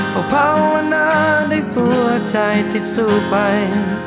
เพราะภาวนาได้หัวใจที่สู้ไป